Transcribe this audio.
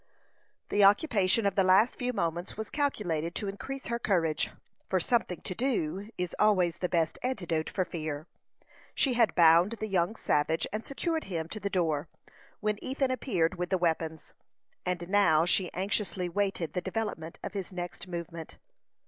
The occupation of the last few moments was calculated to increase her courage, for "something to do" is always the best antidote for fear. She had bound the young savage, and secured him to the door, when Ethan appeared with the weapons; and now she anxiously waited the development of his next movement.